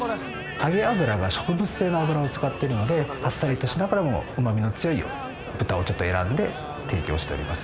揚げ油が植物性の油を使ってるのであっさりとしながらもうまみの強い豚を選んで提供しております。